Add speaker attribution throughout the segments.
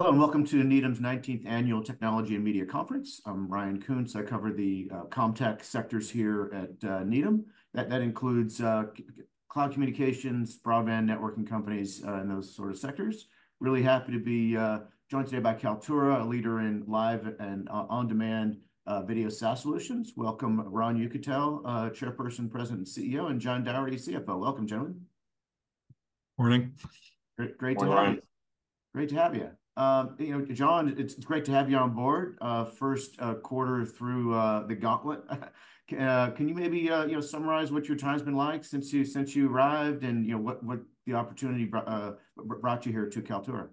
Speaker 1: Hello, and welcome to Needham's 19th Annual Technology and Media Conference. I'm Ryan Koontz. I cover the CommTech sectors here at Needham. That includes cloud communications, broadband networking companies, and those sort of sectors. Really happy to be joined today by Kaltura, a leader in live and on-demand video SaaS solutions. Welcome, Ron Yekutiel, Chairperson, President, and CEO, and John Doherty, CFO. Welcome, gentlemen.
Speaker 2: Morning.
Speaker 3: Good morning.
Speaker 1: Great to have you. Great to have you. You know, John, it's great to have you on board, first quarter through the gauntlet. Can you maybe, you know, summarize what your time's been like since you arrived, and you know, what the opportunity brought you here to Kaltura?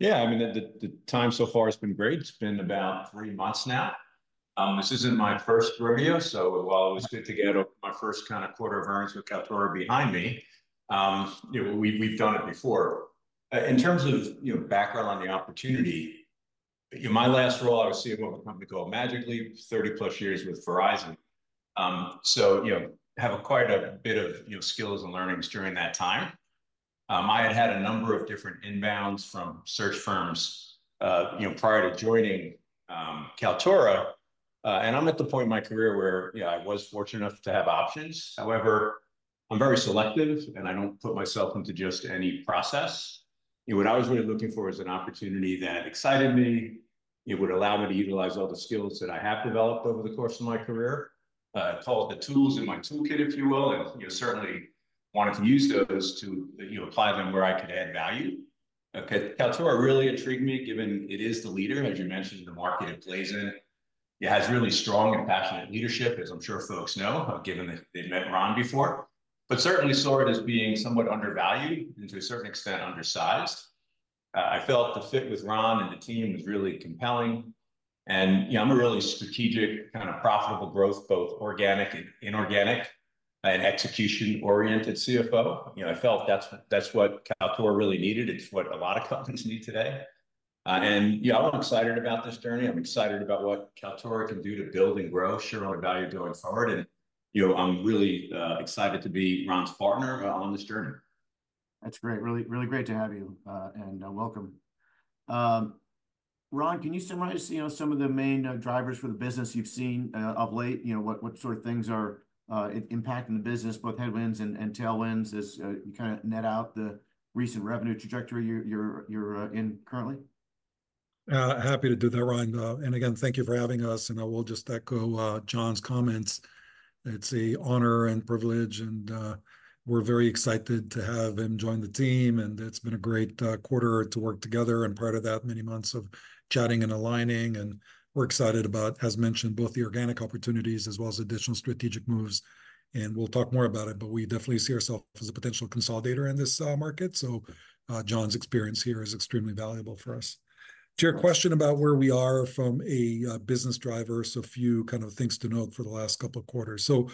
Speaker 3: Yeah, I mean, the time so far has been great. It's been about 3 months now. This isn't my first rodeo, so while it was good to get my first kinda quarter of earnings with Kaltura behind me, you know, we've done it before. In terms of, you know, background on the opportunity, in my last role I was CEO of a company called Magic Leap, 30+ years with Verizon. So, you know, have acquired a bit of, you know, skills and learnings during that time. I had had a number of different inbounds from search firms, you know, prior to joining Kaltura. And I'm at the point in my career where, you know, I was fortunate enough to have options. However, I'm very selective, and I don't put myself into just any process. You know, what I was really looking for is an opportunity that excited me. It would allow me to utilize all the skills that I have developed over the course of my career. Call it the tools in my toolkit, if you will, and, you know, certainly wanted to use those to, you know, apply them where I could add value. Kaltura really intrigued me, given it is the leader, as you mentioned, in the market it plays in. It has really strong and passionate leadership, as I'm sure folks know, given that they've met Ron before. But certainly saw it as being somewhat undervalued, and to a certain extent, undersized. I felt the fit with Ron and the team was really compelling. And, you know, I'm a really strategic, kind of profitable growth, both organic and inorganic, and execution-oriented CFO. You know, I felt that's, that's what Kaltura really needed. It's what a lot of companies need today. And yeah, I'm excited about this journey. I'm excited about what Kaltura can do to build and grow, share our value going forward, and, you know, I'm really excited to be Ron's partner on this journey.
Speaker 1: That's great. Really, really great to have you and welcome. Ron, can you summarize, you know, some of the main drivers for the business you've seen of late? You know, what sort of things are impacting the business, both headwinds and tailwinds, as you kinda net out the recent revenue trajectory you're in currently?
Speaker 2: Happy to do that, Ryan. And again, thank you for having us, and I will just echo John's comments. It's an honor and privilege, and we're very excited to have him join the team, and it's been a great quarter to work together, and prior to that, many months of chatting and aligning. And we're excited about, as mentioned, both the organic opportunities as well as additional strategic moves, and we'll talk more about it, but we definitely see ourselves as a potential consolidator in this market. So, John's experience here is extremely valuable for us. To your question about where we are from a business driver, so a few kind of things to note for the last couple of quarters. So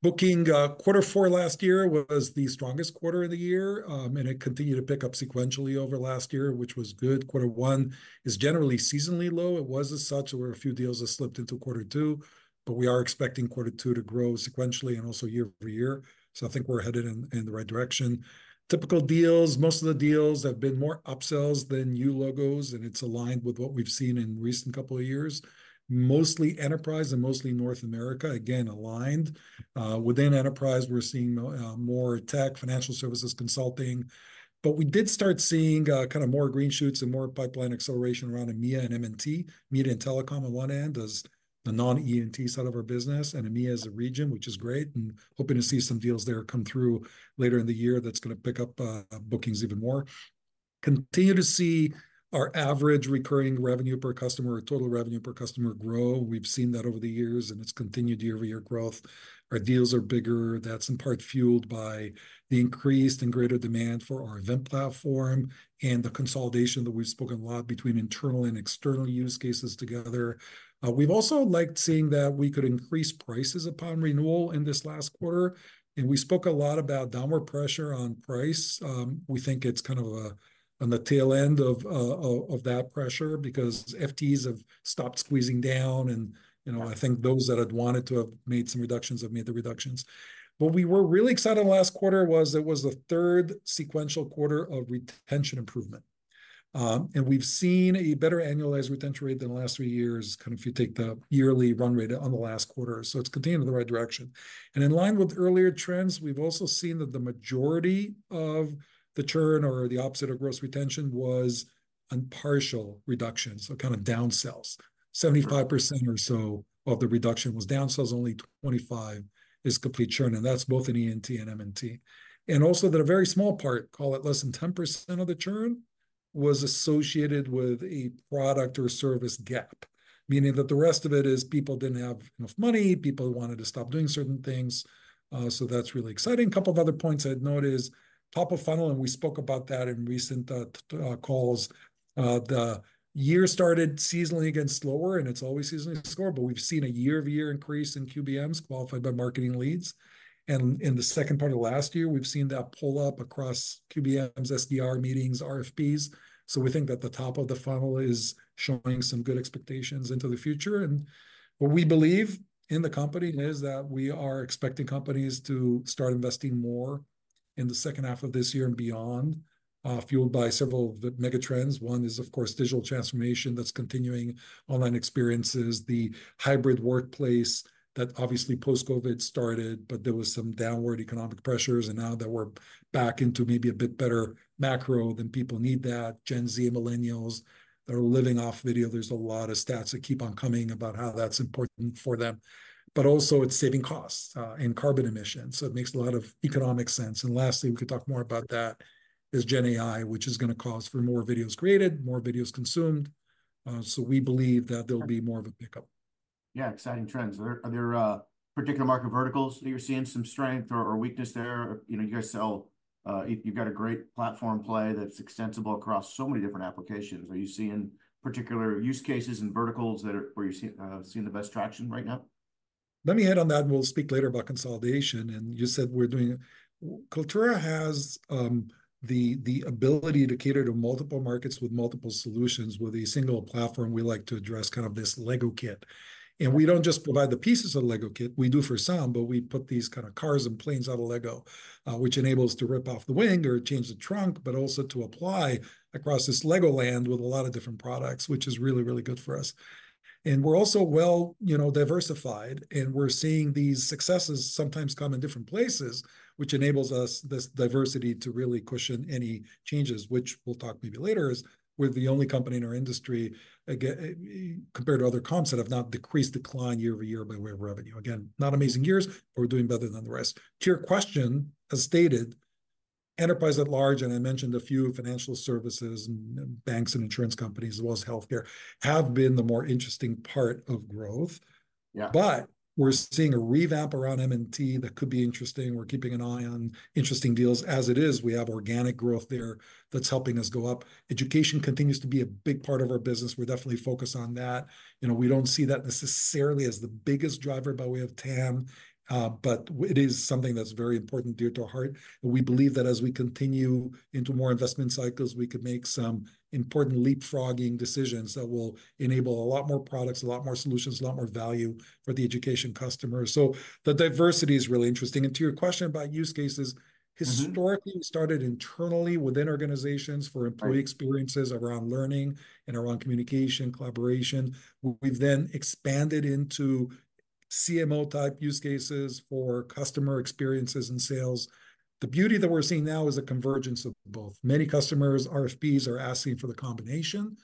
Speaker 2: booking, quarter four last year was the strongest quarter of the year, and it continued to pick up sequentially over last year, which was good. Quarter one is generally seasonally low. It was as such, where a few deals have slipped into quarter two, but we are expecting quarter two to grow sequentially and also year over year. So I think we're headed in the right direction. Typical deals, most of the deals have been more upsells than new logos, and it's aligned with what we've seen in recent couple of years. Mostly enterprise and mostly North America, again, aligned. Within enterprise, we're seeing more tech, financial services consulting, but we did start seeing kind of more green shoots and more pipeline acceleration around EMEA and M&T. Media and telecom at one end as the non-ENT side of our business, and EMEA as a region, which is great, and hoping to see some deals there come through later in the year that's gonna pick up bookings even more. Continue to see our average recurring revenue per customer, or total revenue per customer, grow. We've seen that over the years, and it's continued year-over-year growth. Our deals are bigger. That's in part fueled by the increased and greater demand for our event platform and the consolidation that we've spoken a lot between internal and external use cases together. We've also liked seeing that we could increase prices upon renewal in this last quarter, and we spoke a lot about downward pressure on price. We think it's kind of on the tail end of that pressure because FTEs have stopped squeezing down, and, you know, I think those that had wanted to have made some reductions have made the reductions. What we were really excited last quarter was it was the third sequential quarter of retention improvement. And we've seen a better annualized retention rate than the last three years, kind of if you take the yearly run rate on the last quarter, so it's continuing in the right direction. And in line with earlier trends, we've also seen that the majority of the churn, or the opposite of gross retention, was on partial reductions, so kind of downsells. 75% or so of the reduction was downsells, only 25 is complete churn, and that's both in ENT and M&T. And also that a very small part, call it less than 10% of the churn, was associated with a product or service gap, meaning that the rest of it is people didn't have enough money, people wanted to stop doing certain things. So that's really exciting. Couple of other points I'd note is top of funnel, and we spoke about that in recent calls. The year started seasonally again, slower, and it's always seasonally slower, but we've seen a year-over-year increase in QBMs, qualified by marketing leads. And in the second part of last year, we've seen that pull up across QBMs, SDR meetings, RFPs. So we think that the top of the funnel is showing some good expectations into the future. And what we believe in the company is that we are expecting companies to start investing more. In the second half of this year and beyond, fueled by several mega trends. One is, of course, digital transformation that's continuing, online experiences, the hybrid workplace that obviously post-COVID started, but there was some downward economic pressures, and now that we're back into maybe a bit better macro, then people need that. Gen Z, Millennials, they're living off video. There's a lot of stats that keep on coming about how that's important for them. But also it's saving costs and carbon emissions, so it makes a lot of economic sense. And lastly, we can talk more about that, is Gen AI, which is gonna cause for more videos created, more videos consumed. So we believe that there'll be more of a pickup.
Speaker 1: Yeah, exciting trends. Are there particular market verticals that you're seeing some strength or weakness there? You know, you guys sell. You've got a great platform play that's extensible across so many different applications. Are you seeing particular use cases and verticals that are where you're seeing the best traction right now?
Speaker 2: Let me hit on that, and we'll speak later about consolidation. You said we're doing. Kaltura has the ability to cater to multiple markets with multiple solutions with a single platform. We like to address kind of this LEGO kit. We don't just provide the pieces of the LEGO kit, we do for some, but we put these kind of cars and planes on a LEGO, which enables to rip off the wing or change the trunk, but also to apply across this LEGOLAND with a lot of different products, which is really, really good for us. We're also well, you know, diversified, and we're seeing these successes sometimes come in different places, which enables us, this diversity, to really cushion any changes, which we'll talk maybe later. We're the only company in our industry, again, compared to other comps, that have not decreased decline year-over-year by way of revenue. Again, not amazing years, but we're doing better than the rest. To your question, as stated, enterprise at large, and I mentioned a few financial services, and banks, and insurance companies, as well as healthcare, have been the more interesting part of growth.
Speaker 1: Yeah.
Speaker 2: But we're seeing a revamp around M&T that could be interesting. We're keeping an eye on interesting deals. As it is, we have organic growth there that's helping us go up. Education continues to be a big part of our business. We're definitely focused on that. You know, we don't see that necessarily as the biggest driver by way of TAM, but it is something that's very important, dear to our heart. And we believe that as we continue into more investment cycles, we could make some important leapfrogging decisions that will enable a lot more products, a lot more solutions, a lot more value for the education customer. So the diversity is really interesting. And to your question about use cases-
Speaker 1: Mm-hmm
Speaker 2: -historically, we started internally within organizations for employee-
Speaker 1: Right
Speaker 2: -experiences around learning and around communication, collaboration. We've then expanded into CMO-type use cases for customer experiences and sales. The beauty that we're seeing now is a convergence of both. Many customers, RFPs are asking for the combination,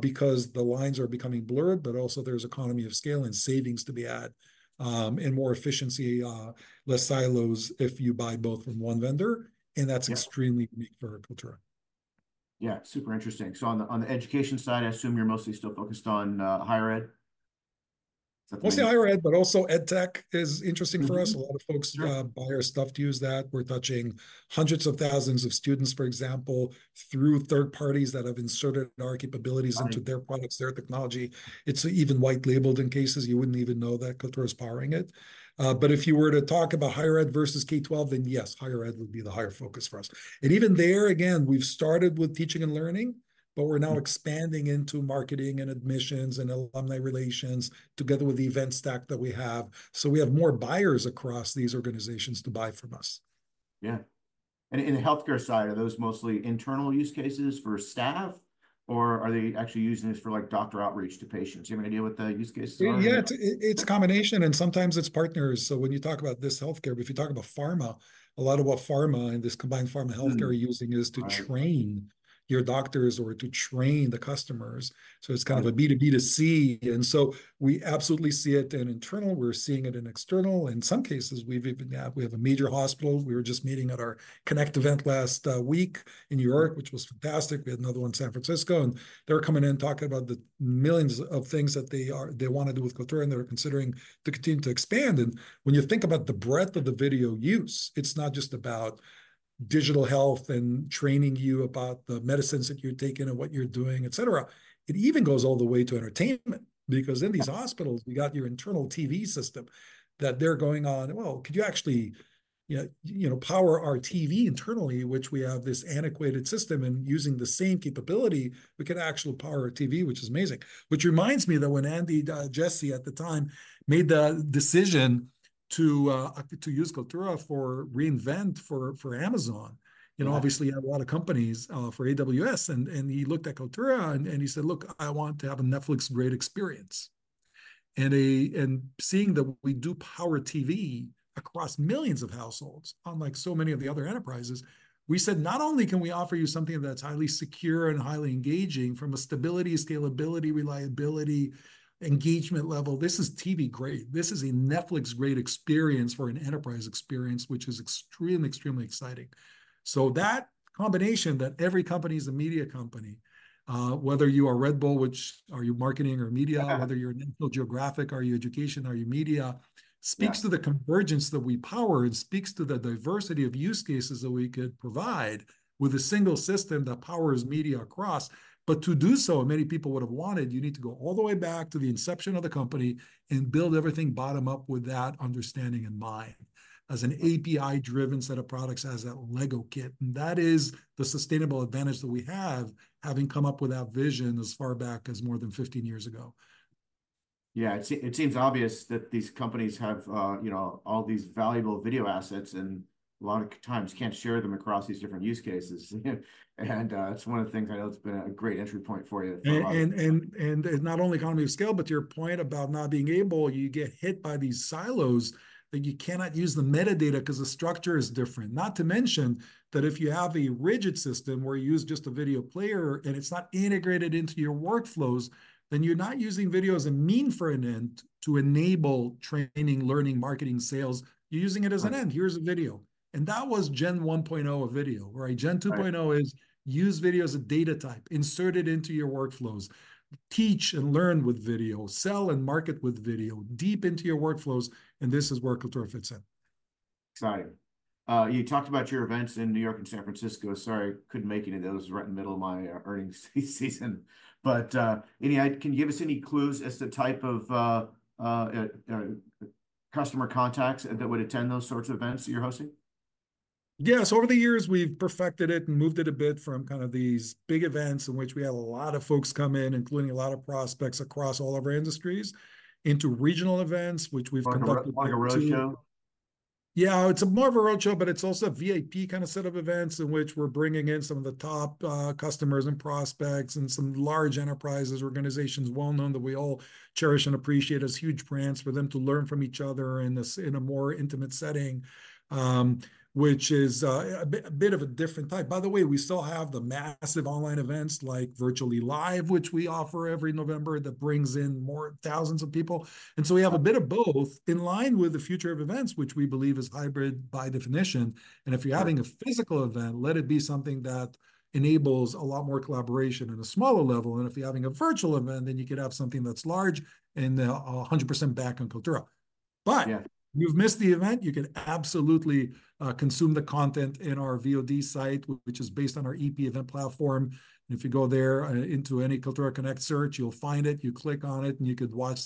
Speaker 2: because the lines are becoming blurred, but also there's economy of scale and savings to be had, and more efficiency, less silos if you buy both from one vendor, and that's-
Speaker 1: Yeah
Speaker 2: -extremely unique for Kaltura.
Speaker 1: Yeah, super interesting. So on the education side, I assume you're mostly still focused on higher ed? Is that the-
Speaker 2: Mostly higher ed, but also edtech is interesting for us.
Speaker 1: Mm-hmm. Yeah.
Speaker 2: A lot of folks buy our stuff to use that. We're touching hundreds of thousands of students, for example, through third parties that have inserted our capabilities-
Speaker 1: Right.
Speaker 2: into their products, their technology. It's even white labeled in cases, you wouldn't even know that Kaltura is powering it. But if you were to talk about higher ed versus K-12, then yes, higher ed would be the higher focus for us. And even there, again, we've started with teaching and learning, but we're now-
Speaker 1: Yeah
Speaker 2: -expanding into marketing, and admissions, and alumni relations, together with the event stack that we have, so we have more buyers across these organizations to buy from us.
Speaker 1: Yeah. And in the healthcare side, are those mostly internal use cases for staff, or are they actually using this for, like, doctor outreach to patients? Do you have any idea what the use cases are?
Speaker 2: Yeah, it's a combination, and sometimes it's partners. So when you talk about this healthcare, but if you talk about pharma, a lot about pharma and this combined pharma-
Speaker 1: Mm
Speaker 2: -healthcare are using is to train-
Speaker 1: Right
Speaker 2: -your doctors or to train the customers.
Speaker 1: Right.
Speaker 2: So it's kind of a B2B2C. And so we absolutely see it in internal, we're seeing it in external. In some cases, we've even had. We have a major hospital, we were just meeting at our Connect event last week in New York, which was fantastic. We had another one in San Francisco, and they were coming in talking about the millions of things that they wanna do with Kaltura, and they're considering to continue to expand. And when you think about the breadth of the video use, it's not just about digital health and training you about the medicines that you're taking and what you're doing, et cetera, it even goes all the way to entertainment. Because in these hospitals, you got your internal TV system that they're going on, "Well, could you actually, you know, you know, power our TV internally, which we have this antiquated system, and using the same capability, we could actually power our TV," which is amazing. Which reminds me that when Andy Jassy at the time, made the decision to use Kaltura for re:Invent for Amazon-
Speaker 1: Yeah
Speaker 2: -and obviously a lot of companies for AWS, and he looked at Kaltura and he said, "Look, I want to have a Netflix-grade experience." And seeing that we do power TV across millions of households, unlike so many of the other enterprises, we said, "Not only can we offer you something that's highly secure and highly engaging, from a stability, scalability, reliability, engagement level, this is TV-grade. This is a Netflix-grade experience for an enterprise experience," which is extremely, extremely exciting. So that combination, that every company is a media company, whether you are Red Bull, which, are you marketing or media?
Speaker 1: Okay.
Speaker 2: Whether you're National Geographic, are you education, are you media?
Speaker 1: Yeah.
Speaker 2: Speaks to the convergence that we power and speaks to the diversity of use cases that we could provide with a single system that powers media across. But to do so, many people would have wanted, you need to go all the way back to the inception of the company and build everything bottom up with that understanding and buy-in, as an API-driven set of products, as a LEGO kit, and that is the sustainable advantage that we have, having come up with that vision as far back as more than 15 years ago.
Speaker 1: Yeah, it seems obvious that these companies have, you know, all these valuable video assets, and a lot of times can't share them across these different use cases. And, it's one of the things I know that's been a great entry point for you.
Speaker 2: It's not only economy of scale, but to your point about not being able, you get hit by these silos, that you cannot use the metadata 'cause the structure is different. Not to mention, that if you have a rigid system, where you use just a video player, and it's not integrated into your workflows, then you're not using video as a mean for an end to enable training, learning, marketing, sales, you're using it as an end.
Speaker 1: Right.
Speaker 2: Here's a video." That was Gen 1.0 of video, right?
Speaker 1: Right.
Speaker 2: Gen 2.0 is use video as a data type, insert it into your workflows, teach and learn with video, sell and market with video, deep into your workflows. This is where Kaltura fits in.
Speaker 1: Exciting. You talked about your events in New York and San Francisco. Sorry I couldn't make any of those, right in the middle of my earnings season. But, can you give us any clues as to type of customer contacts that would attend those sorts of events that you're hosting?
Speaker 2: Yeah. So over the years, we've perfected it and moved it a bit from kind of these big events, in which we had a lot of folks come in, including a lot of prospects across all of our industries, into regional events, which we've conducted too-
Speaker 1: Like a roadshow?
Speaker 2: Yeah, it's more of a roadshow, but it's also a VIP kind of set of events, in which we're bringing in some of the top, customers and prospects, and some large enterprises, organizations well-known, that we all cherish and appreciate as huge brands, for them to learn from each other in this in a more intimate setting, which is, a bit of a different type. By the way, we still have the massive online events, like Virtually Live, which we offer every November, that brings in more thousands of people.
Speaker 1: Yeah.
Speaker 2: And so we have a bit of both, in line with the future of events, which we believe is hybrid by definition.
Speaker 1: Right.
Speaker 2: If you're having a physical event, let it be something that enables a lot more collaboration on a smaller level, and if you're having a virtual event, then you could have something that's large, and 100% back on Kaltura.
Speaker 1: Yeah.
Speaker 2: But if you've missed the event, you can absolutely, consume the content in our VOD site, which is based on our EP event platform. And if you go there, into any Kaltura Connect search, you'll find it, you click on it, and you could watch,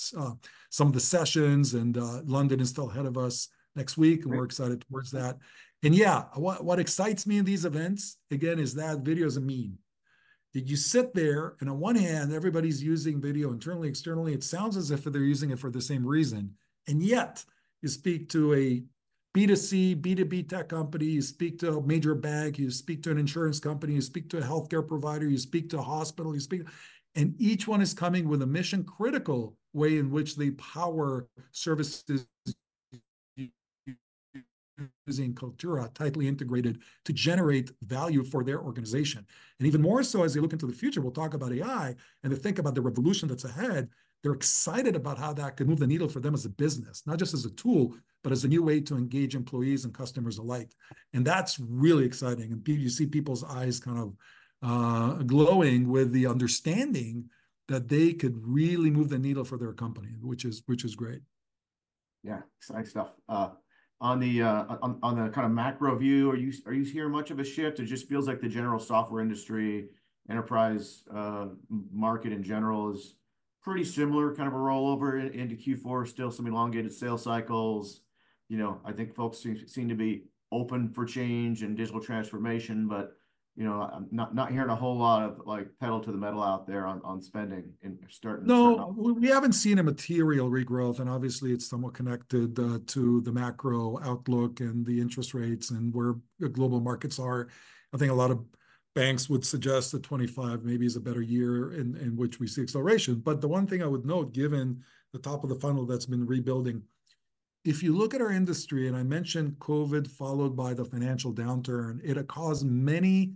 Speaker 2: some of the sessions. And, London is still ahead of us next week-
Speaker 1: Right
Speaker 2: -and we're excited towards that. And yeah, what, what excites me in these events, again, is that video is a means. That you sit there, and on one hand, everybody's using video internally, externally, it sounds as if they're using it for the same reason. And yet, you speak to a B2C, B2B tech company, you speak to a major bank, you speak to an insurance company, you speak to a healthcare provider, you speak to a hospital, you speak. And each one is coming with a mission-critical way in which they power services using Kaltura, tightly integrated to generate value for their organization. And even more so, as you look into the future, we'll talk about AI, and to think about the revolution that's ahead, they're excited about how that could move the needle for them as a business, not just as a tool, but as a new way to engage employees and customers alike. And that's really exciting, and you see people's eyes kind of glowing with the understanding that they could really move the needle for their company, which is, which is great.
Speaker 1: Yeah. Exciting stuff. On the kind of macro view, are you hearing much of a shift, or it just feels like the general software industry, enterprise market, in general, is pretty similar, kind of a rollover into Q4, still some elongated sales cycles? You know, I think folks seem to be open for change and digital transformation, but, you know, I'm not hearing a whole lot of, like, pedal to the metal out there on spending and starting to turn up.
Speaker 2: No, we haven't seen a material regrowth, and obviously, it's somewhat connected to the macro outlook, and the interest rates, and where the global markets are. I think a lot of banks would suggest that 2025 maybe is a better year in which we see acceleration. But the one thing I would note, given the top of the funnel that's been rebuilding, if you look at our industry, and I mentioned COVID, followed by the financial downturn, it had caused many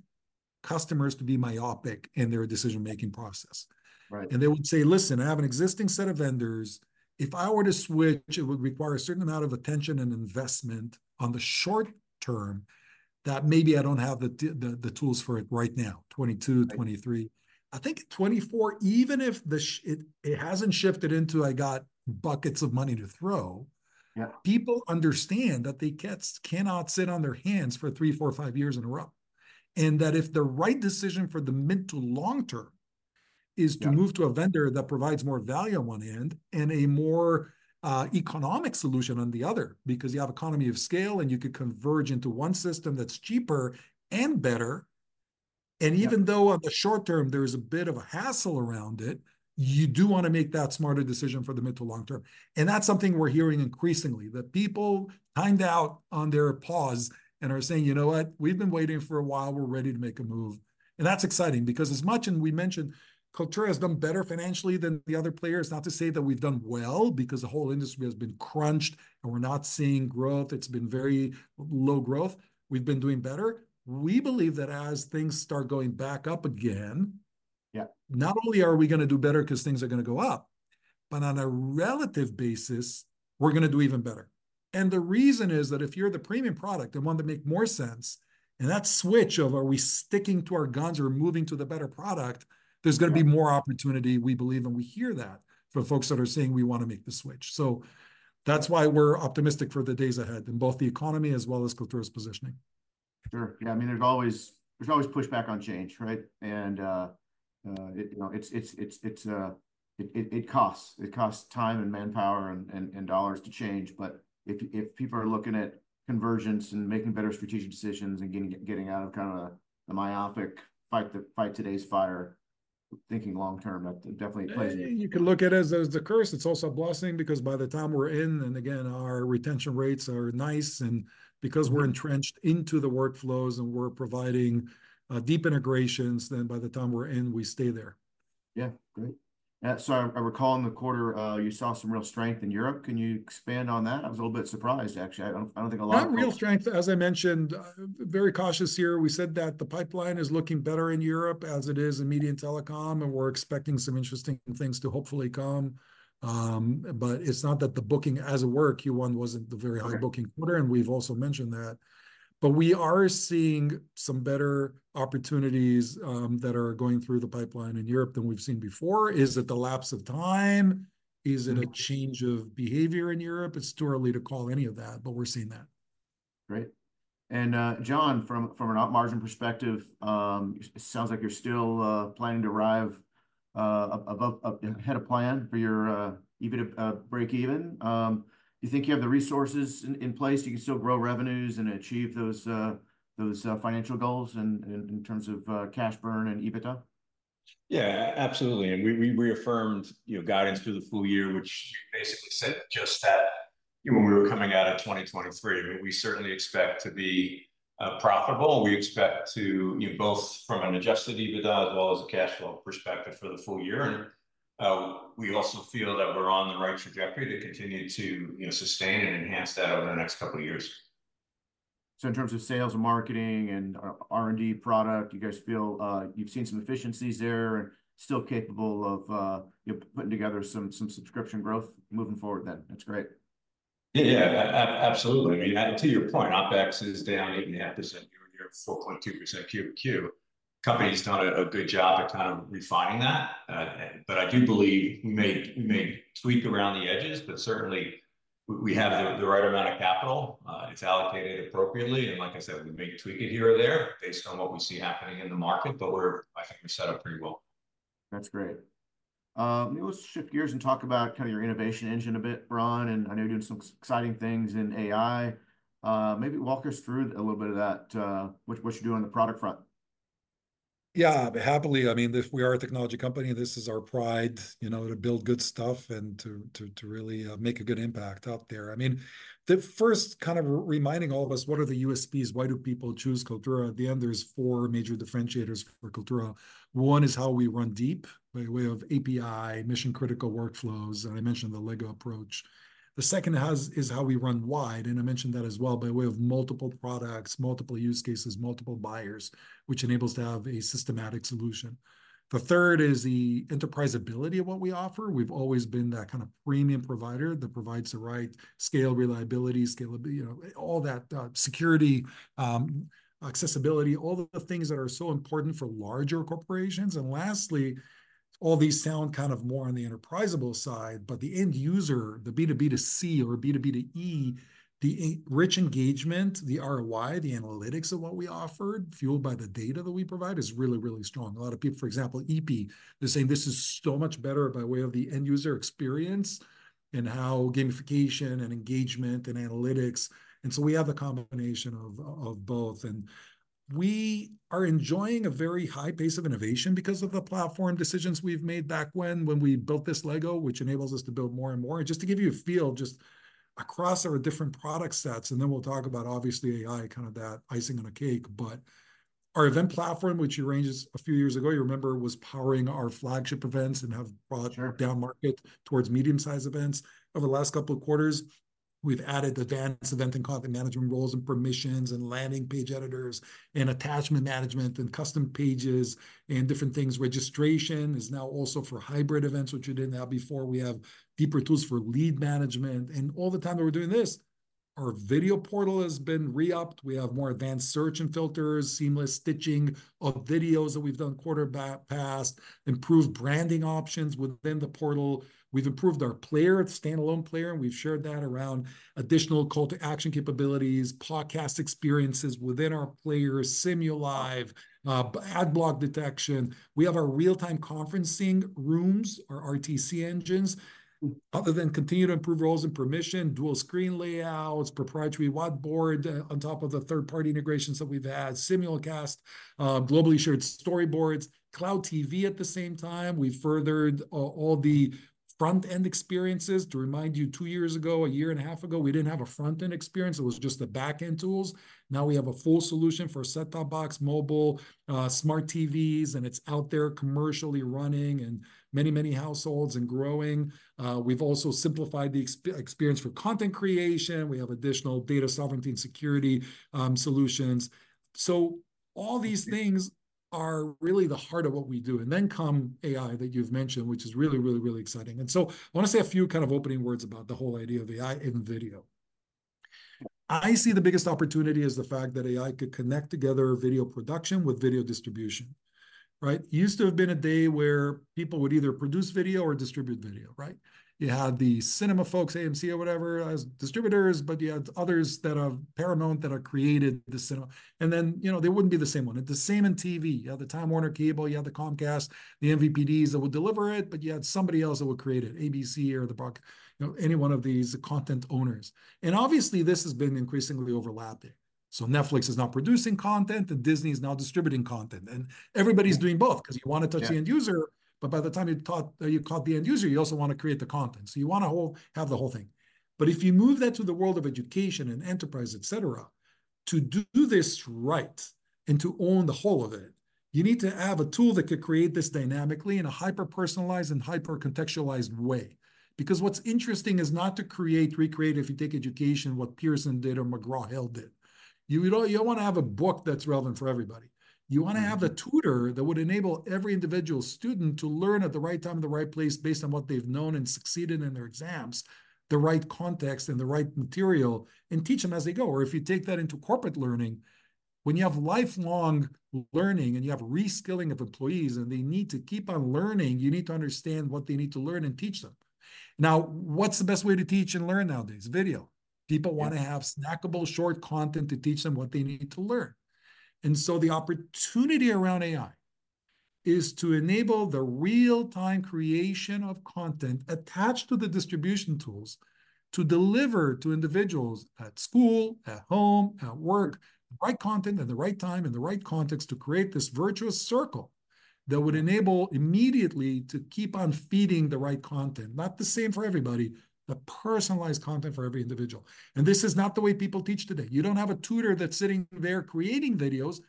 Speaker 2: customers to be myopic in their decision-making process.
Speaker 1: Right.
Speaker 2: They would say, "Listen, I have an existing set of vendors. If I were to switch, it would require a certain amount of attention and investment on the short term, that maybe I don't have the tools for it right now," 2022, 2023.
Speaker 1: Right.
Speaker 2: I think 2024, even if the shit hasn't shifted into, "I got buckets of money to throw"-
Speaker 1: Yeah.
Speaker 2: people understand that they can't, cannot sit on their hands for 3, 4, 5 years in a row. And that if the right decision for the mid- to long-term-
Speaker 1: Yeah.
Speaker 2: is to move to a vendor that provides more value on one hand, and a more economic solution on the other, because you have economy of scale, and you could converge into one system that's cheaper and better.
Speaker 1: Yeah.
Speaker 2: Even though on the short term there is a bit of a hassle around it, you do wanna make that smarter decision for the mid to long term. That's something we're hearing increasingly, that people timed out on their pause and are saying, "You know what? We've been waiting for a while, we're ready to make a move." That's exciting, because as much, and we mentioned, Kaltura has done better financially than the other players. Not to say that we've done well, because the whole industry has been crunched, and we're not seeing growth. It's been very low growth. We've been doing better. We believe that as things start going back up again-
Speaker 1: Yeah
Speaker 2: -not only are we gonna do better 'cause things are gonna go up, but on a relative basis, we're gonna do even better. And the reason is that if you're the premium product, the one that make more sense, and that switch of are we sticking to our guns or moving to the better product-
Speaker 1: Yeah
Speaker 2: -there's gonna be more opportunity, we believe, and we hear that from folks that are saying, "We wanna make the switch." So that's why we're optimistic for the days ahead, in both the economy as well as Kaltura's positioning.
Speaker 1: Sure. Yeah, I mean, there's always pushback on change, right? And, you know, it costs time, and manpower, and dollars to change. But if people are looking at conversions, and making better strategic decisions, and getting out of kind of the myopic fight today's fire—thinking long term, that definitely plays—
Speaker 2: You can look at it as the curse. It's also a blessing, because by the time we're in, and again, our retention rates are nice, and because we're entrenched into the workflows and we're providing deep integrations, then by the time we're in, we stay there.
Speaker 1: Yeah. Great. So I recall in the quarter, you saw some real strength in Europe. Can you expand on that? I was a little bit surprised, actually. I don't, I don't think a lot of folks-
Speaker 2: Not real strength, as I mentioned, very cautious here. We said that the pipeline is looking better in Europe as it is in media and telecom, and we're expecting some interesting things to hopefully come. But it's not that the booking. As it were, Q1 wasn't the very high booking-
Speaker 1: Right
Speaker 2: -quarter, and we've also mentioned that. But we are seeing some better opportunities, that are going through the pipeline in Europe than we've seen before. Is it the lapse of time? Mm. Is it a change of behavior in Europe? It's too early to call any of that, but we're seeing that.
Speaker 1: Great. And, John, from an op margin perspective, it sounds like you're still planning to arrive ahead of plan for your EBITDA breakeven. Do you think you have the resources in place so you can still grow revenues and achieve those financial goals in terms of cash burn and EBITDA?
Speaker 3: Yeah, absolutely, and we reaffirmed, you know, guidance through the full year, which we basically said just that, you know, when we were coming out of 2023. I mean, we certainly expect to be profitable, and we expect to, you know, both from an adjusted EBITDA as well as a cash flow perspective for the full year. And we also feel that we're on the right trajectory to continue to, you know, sustain and enhance that over the next couple of years.
Speaker 1: So in terms of sales and marketing and R&D product, you guys feel you've seen some efficiencies there and still capable of, you know, putting together some subscription growth moving forward then? That's great.
Speaker 3: Yeah, absolutely. I mean, to your point, OpEx is down 8.5% year-over-year, 4.2% Q-over-Q. Company's done a good job of kind of refining that, but I do believe we may tweak around the edges, but certainly we have the right amount of capital. It's allocated appropriately, and like I said, we may tweak it here or there based on what we see happening in the market, but we're. I think we're set up pretty well.
Speaker 1: That's great. Let's shift gears and talk about kind of your innovation engine a bit, Ron, and I know you're doing some exciting things in AI. Maybe walk us through a little bit of that, what you're doing on the product front.
Speaker 2: Yeah, happily. I mean, this—we are a technology company. This is our pride, you know, to build good stuff and to really make a good impact out there. I mean, the first kind of reminding all of us, what are the USPs? Why do people choose Kaltura? At the end, there's four major differentiators for Kaltura. One is how we run deep by way of API, mission-critical workflows, and I mentioned the LEGO approach. The second is how we run wide, and I mentioned that as well, by way of multiple products, multiple use cases, multiple buyers, which enables to have a systematic solution. The third is the enterprise ability of what we offer. We've always been that kind of premium provider that provides the right scale, reliability, scalability, you know, all that, security, accessibility, all the things that are so important for larger corporations. And lastly, all these sound kind of more on the enterprisable side, but the end user, the B2B2C or B2B2E, the e-rich engagement, the ROI, the analytics of what we offered, fueled by the data that we provide, is really, really strong. A lot of people, for example, EP, they're saying this is so much better by way of the end-user experience and how gamification and engagement and analytics, and so we have a combination of both. And we are enjoying a very high pace of innovation because of the platform decisions we've made back when we built this LEGO, which enables us to build more and more. Just to give you a feel, just across our different product sets, and then we'll talk about obviously AI, kind of that icing on a cake, but our event platform, which arranges. A few years ago, you remember, was powering our flagship events and have brought-
Speaker 1: Sure
Speaker 2: -down market towards medium-sized events. Over the last couple of quarters, we've added advanced event and content management roles and permissions and landing page editors and attachment management and custom pages and different things. Registration is now also for hybrid events, which we didn't have before. We have deeper tools for lead management, and all the time that we're doing this, our video portal has been re-upped. We have more advanced search and filters, seamless stitching of videos that we've done quarter back past, improved branding options within the portal. We've improved our player, its standalone player, and we've shared that around additional call to action capabilities, podcast experiences within our players, Simulive, ad block detection. We have our real-time conferencing rooms, our RTC engines, other than continue to improve roles and permissions, dual screen layouts, proprietary whiteboard, on top of the third-party integrations that we've had, simulcast, globally shared storyboards, cloud TV at the same time. We've furthered all, all the front-end experiences. To remind you, two years ago, a year and a half ago, we didn't have a front-end experience. It was just the back-end tools. Now, we have a full solution for a set-top box, mobile, smart TVs, and it's out there commercially running in many, many households and growing. We've also simplified the experience for content creation. We have additional data sovereignty and security solutions. So all these things are really the heart of what we do. And then come AI, that you've mentioned, which is really, really, really exciting. And so I wanna say a few kind of opening words about the whole idea of AI in video. I see the biggest opportunity as the fact that AI could connect together video production with video distribution, right? Used to have been a day where people would either produce video or distribute video, right? You had the cinema folks, AMC or whatever, as distributors, but you had others that are Paramount, that are created the cinema. And then, you know, they wouldn't be the same one. And the same in TV. You had the Time Warner Cable, you had the Comcast, the MVPDs that would deliver it, but you had somebody else that would create it, ABC or you know, any one of these content owners. And obviously, this has been increasingly overlapping. So Netflix is now producing content, and Disney is now distributing content, and everybody's doing both-
Speaker 1: Yeah
Speaker 2: - 'cause you wanna touch the end user, but by the time you've caught the end user, you also wanna create the content, so you want to have the whole thing. But if you move that to the world of education and enterprise, et cetera, to do this right and to own the whole of it, you need to have a tool that could create this dynamically in a hyper-personalized and hyper-contextualized way. Because what's interesting is not to create, recreate, if you take education, what Pearson did or McGraw Hill did. You don't wanna have a book that's relevant for everybody.
Speaker 1: Mm-hmm.
Speaker 2: You wanna have a tutor that would enable every individual student to learn at the right time, in the right place, based on what they've known and succeeded in their exams, the right context, and the right material, and teach them as they go. Or if you take that into corporate learning, when you have lifelong learning, and you have reskilling of employees, and they need to keep on learning, you need to understand what they need to learn and teach them. Now, what's the best way to teach and learn nowadays? Video.
Speaker 1: Yeah.
Speaker 2: People wanna have snackable, short content to teach them what they need to learn. So the opportunity around AI is to enable the real-time creation of content attached to the distribution tools to deliver to individuals at school, at home, at work, the right content at the right time, in the right context, to create this virtuous circle that would enable immediately to keep on feeding the right content. Not the same for everybody, but personalized content for every individual, and this is not the way people teach today. You don't have a tutor that's sitting there creating videos,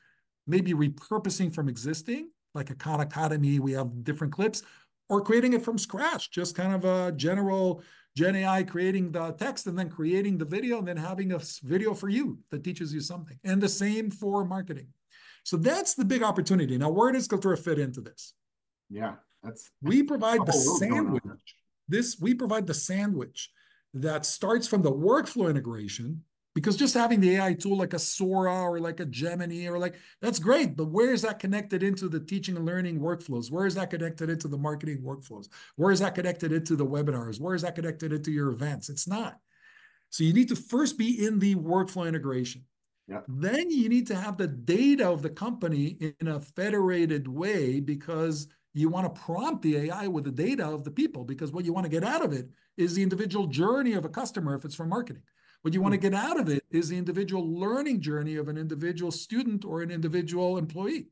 Speaker 2: maybe repurposing from existing, like a Khan Academy, we have different clips, or creating it from scratch, just kind of a general gen AI creating the text, and then creating the video, and then having a short video for you that teaches you something, and the same for marketing. So that's the big opportunity. Now, where does Kaltura fit into this?
Speaker 1: Yeah, that's-
Speaker 2: We provide the sandwich.
Speaker 1: Oh, wow.
Speaker 2: We provide the sandwich that starts from the workflow integration, because just having the AI tool, like a Sora or like a Gemini or like. That's great, but where is that connected into the teaching and learning workflows? Where is that connected into the marketing workflows? Where is that connected into the webinars? Where is that connected into your events? It's not. So you need to first be in the workflow integration.
Speaker 1: Yeah.
Speaker 2: Then, you need to have the data of the company in a federated way, because you wanna prompt the AI with the data of the people, because what you wanna get out of it is the individual journey of a customer, if it's for marketing.
Speaker 1: Mm.
Speaker 2: What you wanna get out of it is the individual learning journey of an individual student or an individual employee.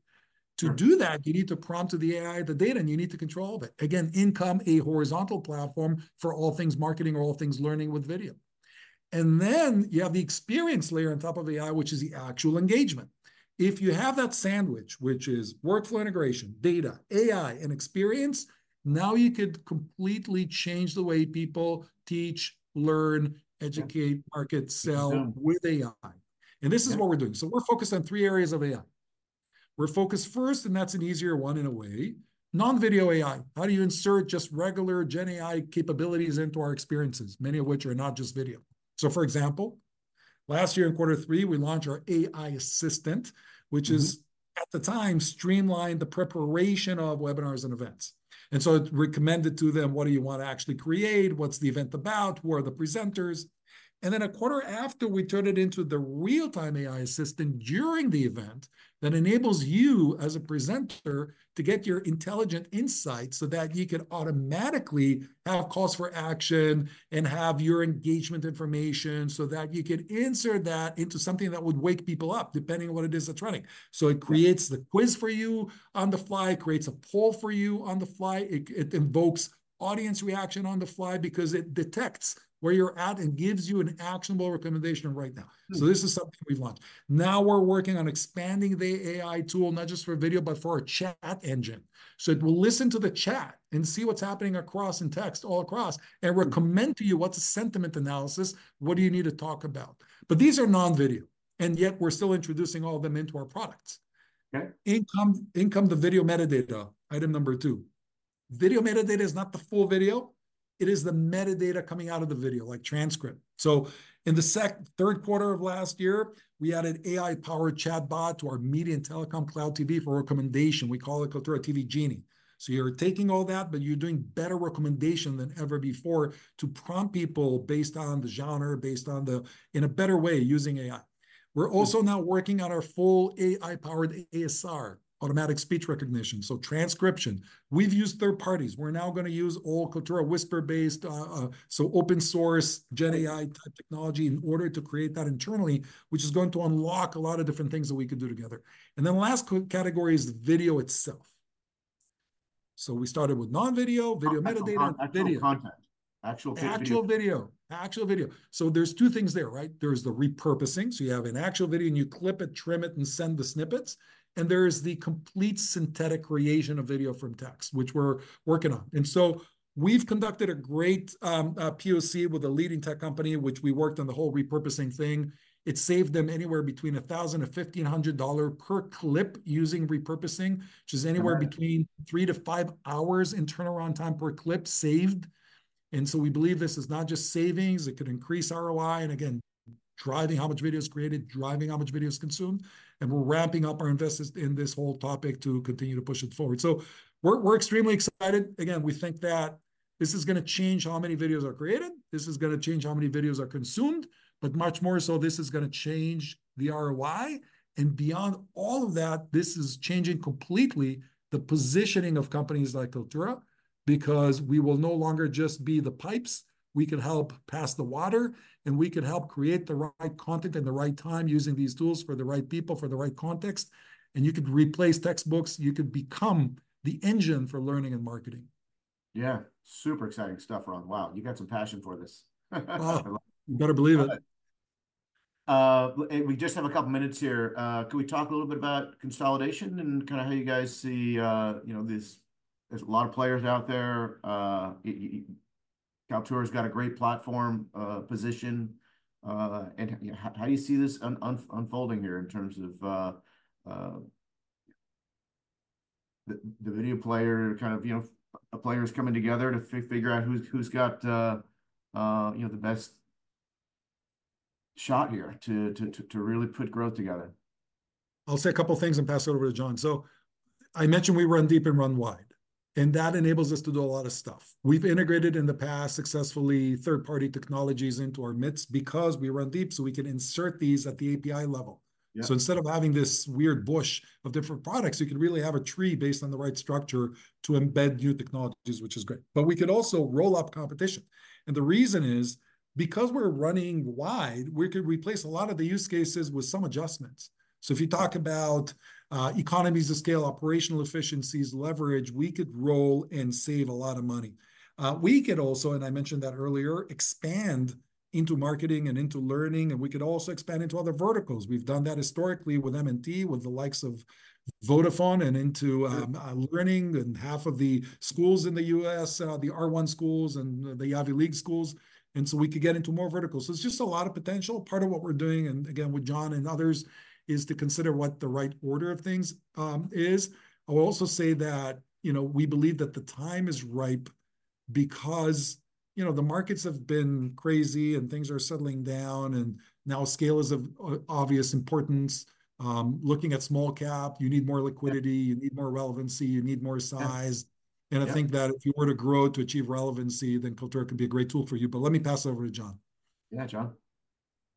Speaker 1: Sure.
Speaker 2: To do that, you need to prompt to the AI the data, and you need to control of it. Again, in come a horizontal platform for all things marketing or all things learning with video. And then you have the experience layer on top of AI, which is the actual engagement. If you have that sandwich, which is workflow integration, data, AI, and experience, now you could completely change the way people teach, learn, educate-
Speaker 1: Yeah
Speaker 2: -market, sell-
Speaker 1: With AI
Speaker 2: -with AI.
Speaker 1: Yeah.
Speaker 2: This is what we're doing. So we're focused on three areas of AI. We're focused first, and that's an easier one in a way, non-video AI. How do you insert just regular gen AI capabilities into our experiences, many of which are not just video? So, for example, last year in quarter three, we launched our AI assistant, which is-
Speaker 1: Mm
Speaker 2: -at the time, streamlined the preparation of webinars and events. And so it recommended to them, what do you wanna actually create? What's the event about? Who are the presenters? And then a quarter after, we turned it into the real-time AI assistant during the event that enables you as a presenter to get your intelligent insights, so that you can automatically have calls for action and have your engagement information, so that you could insert that into something that would wake people up, depending on what it is that's running.
Speaker 1: Yeah.
Speaker 2: It creates the quiz for you on the fly. It creates a poll for you on the fly. It invokes audience reaction on the fly, because it detects where you're at and gives you an actionable recommendation right now.
Speaker 1: Mm.
Speaker 2: This is something we've launched. Now we're working on expanding the AI tool, not just for video, but for a chat engine. It will listen to the chat and see what's happening across, in text, all across, and recommend to you what's the sentiment analysis, what do you need to talk about? But these are non-video, and yet we're still introducing all of them into our products.
Speaker 1: Okay.
Speaker 2: In comes the video metadata, item number two. Video metadata is not the full video, it is the metadata coming out of the video, like transcript. So in the third quarter of last year, we added AI-powered chatbot to our media and telecom cloud TV for recommendation. We call it Kaltura TV Genie. So you're taking all that, but you're doing better recommendation than ever before to prompt people based on the genre, based on the. in a better way using AI.
Speaker 1: Mm.
Speaker 2: We're also now working on our full AI-powered ASR, automatic speech recognition, so transcription. We've used third parties. We're now gonna use all Kaltura Whisper-based, so open source, gen AI-type technology in order to create that internally, which is going to unlock a lot of different things that we could do together. And then the last category is the video itself. So we started with non-video, video metadata-
Speaker 1: Actual con-
Speaker 2: and video
Speaker 1: -actual content. Actual video video.
Speaker 2: Actual video. Actual video. So there's two things there, right? There's the repurposing, so you have an actual video, and you clip it, trim it, and send the snippets. And there is the complete synthetic creation of video from text, which we're working on. And so we've conducted a great POC with a leading tech company, which we worked on the whole repurposing thing. It saved them anywhere between $1,000-$1,500 per clip using repurposing-
Speaker 1: Wow
Speaker 2: -which is anywhere between 3-5 hours in turnaround time per clip saved. And so we believe this is not just savings, it could increase ROI, and again, driving how much video is created, driving how much video is consumed. And we're ramping up our investments in this whole topic to continue to push it forward. So we're, we're extremely excited. Again, we think that-. This is gonna change how many videos are created, this is gonna change how many videos are consumed, but much more so, this is gonna change the ROI. And beyond all of that, this is changing completely the positioning of companies like Kaltura, because we will no longer just be the pipes. We can help pass the water, and we can help create the right content at the right time using these tools for the right people, for the right context, and you could replace textbooks. You could become the engine for learning and marketing.
Speaker 1: Yeah, super exciting stuff, Ron. Wow, you got some passion for this.
Speaker 2: Oh, you better believe it.
Speaker 1: And we just have a couple minutes here. Can we talk a little bit about consolidation and kinda how you guys see, you know, this.? There's a lot of players out there. Kaltura's got a great platform position. And how do you see this unfolding here in terms of the video player, kind of, you know, players coming together to figure out who's got, you know, the best shot here to really put growth together?
Speaker 2: I'll say a couple things and pass it over to John. So I mentioned we run deep and run wide, and that enables us to do a lot of stuff. We've integrated, in the past, successfully, third-party technologies into our midst because we run deep, so we can insert these at the API level.
Speaker 1: Yeah.
Speaker 2: So instead of having this weird bush of different products, you can really have a tree based on the right structure to embed new technologies, which is great. But we could also roll up competition, and the reason is, because we're running wide, we could replace a lot of the use cases with some adjustments. So if you talk about economies of scale, operational efficiencies, leverage, we could roll and save a lot of money. We could also, and I mentioned that earlier, expand into marketing and into learning, and we could also expand into other verticals. We've done that historically with M&T, with the likes of Vodafone, and into
Speaker 1: Yeah
Speaker 2: -learning, and half of the schools in the U.S., the R1 schools and the Ivy League schools, and so we could get into more verticals. So it's just a lot of potential. Part of what we're doing, and again, with John and others, is to consider what the right order of things is. I will also say that, you know, we believe that the time is ripe because, you know, the markets have been crazy, and things are settling down, and now scale is of obvious importance. Looking at small cap, you need more liquidity-
Speaker 1: Yeah
Speaker 2: -you need more relevancy, you need more size.
Speaker 1: Yeah. Yeah.
Speaker 2: I think that if you were to grow to achieve relevancy, then Kaltura could be a great tool for you. Let me pass it over to John.
Speaker 1: Yeah, John?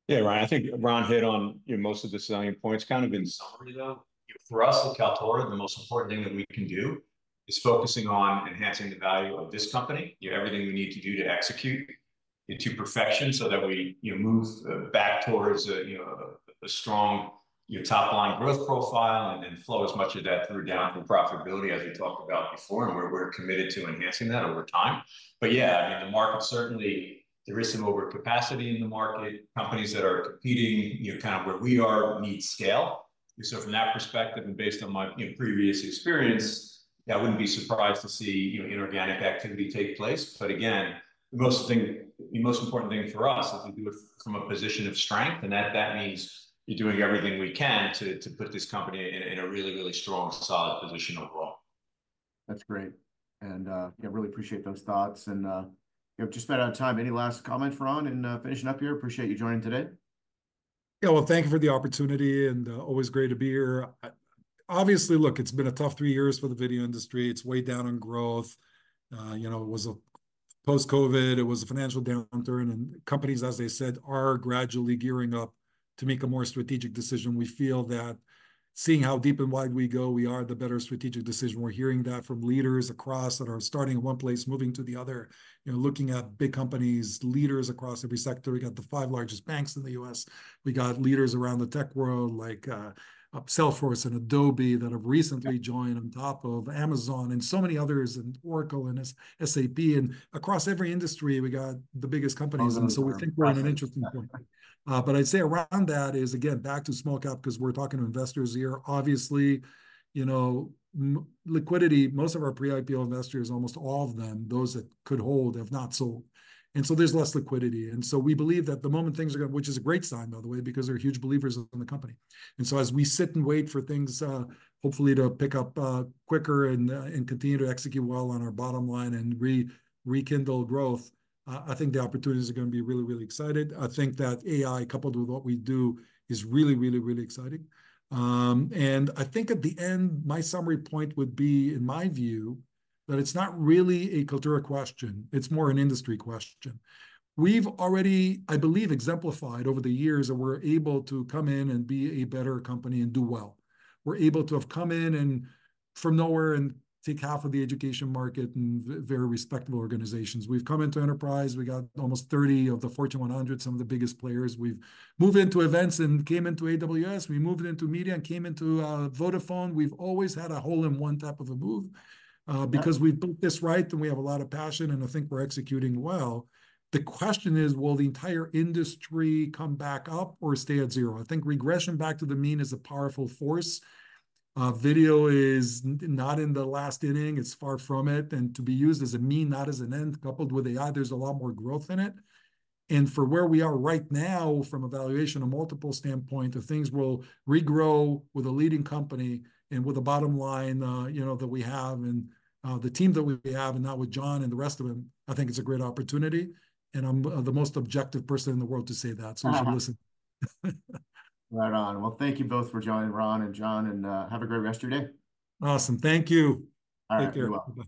Speaker 3: Yeah, Ryan, I think Ron hit on, you know, most of the salient points. Kind of in summary, though, you know, for us at Kaltura, the most important thing that we can do is focusing on enhancing the value of this company. You know, everything we need to do to execute it to perfection so that we, you know, move back towards a strong, you know, top-line growth profile, and then flow as much of that through down through profitability, as we talked about before, and we're committed to enhancing that over time. But yeah, I mean, the market, certainly there is some overcapacity in the market. Companies that are competing, you know, kind of where we are, need scale. So from that perspective, and based on my, you know, previous experience, yeah, I wouldn't be surprised to see, you know, inorganic activity take place. But again, the most important thing for us is we do it from a position of strength, and that means doing everything we can to put this company in a really, really strong, solid position overall.
Speaker 1: That's great. Yeah, really appreciate those thoughts. You know, just about out of time, any last comments, Ron, in finishing up here? Appreciate you joining today.
Speaker 2: Yeah. Well, thank you for the opportunity, and always great to be here. Obviously, look, it's been a tough three years for the video industry. It's way down on growth. You know, it was a post-COVID financial downturn, and companies, as I said, are gradually gearing up to make a more strategic decision. We feel that seeing how deep and wide we go, we are the better strategic decision. We're hearing that from leaders across that are starting in one place, moving to the other. You know, looking at big companies, leaders across every sector. We got the five largest banks in the U.S., we got leaders around the tech world like Salesforce and Adobe that have recently-
Speaker 1: Yeah
Speaker 2: -joined on top of Amazon and so many others, and Oracle, and SAP. Across every industry, we got the biggest companies-
Speaker 1: All of them.
Speaker 2: -and so we think we're in an interesting point. But I'd say around that is, again, back to small cap, 'cause we're talking to investors here. Obviously, you know, liquidity, most of our pre-IPO investors, almost all of them, those that could hold, have not sold, and so there's less liquidity. And so we believe that the moment things are gonna. Which is a great sign, by the way, because they're huge believers in the company. And so as we sit and wait for things, hopefully to pick up, quicker and, and continue to execute well on our bottom line and rekindle growth, I think the opportunities are gonna be really, really excited. I think that AI, coupled with what we do, is really, really, really exciting. And I think at the end, my summary point would be, in my view, that it's not really a Kaltura question, it's more an industry question. We've already, I believe, exemplified over the years that we're able to come in and be a better company and do well. We're able to have come in and from nowhere, and take half of the education market, and very respectable organizations. We've come into enterprise, we got almost 30 of the Fortune 100, some of the biggest players. We've moved into events and came into AWS. We moved into media and came into Vodafone. We've always had a hole-in-one type of a move.
Speaker 1: Yeah
Speaker 2: -because we've built this right, and we have a lot of passion, and I think we're executing well. The question is, will the entire industry come back up or stay at zero? I think regression back to the mean is a powerful force. Video is not in the last inning, it's far from it, and to be used as a mean, not as an end, coupled with AI, there's a lot more growth in it. And for where we are right now, from a valuation, a multiple standpoint, if things will regrow with a leading company and with the bottom line, you know, that we have, and the team that we have, and now with John and the rest of them, I think it's a great opportunity, and I'm the most objective person in the world to say that-
Speaker 1: Uh-huh
Speaker 2: -so you should listen.
Speaker 1: Right on. Well, thank you both for joining, Ron and John, and have a great rest of your day.
Speaker 2: Awesome. Thank you.
Speaker 1: All right.
Speaker 2: Take care.
Speaker 1: You're welcome.